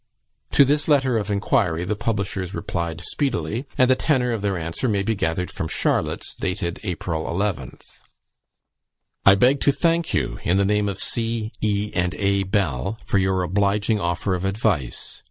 To this letter of inquiry the publishers replied speedily, and the tenor of their answer may be gathered from Charlotte's, dated April 11th. "I beg to thank you, in the name of C., E., and A. Bell, for your obliging offer of advice.